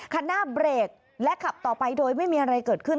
คันหน้าเบรกและขับต่อไปโดยไม่มีอะไรเกิดขึ้น